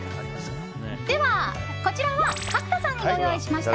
こちらは角田さんにご用意しました。